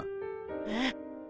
えっ！？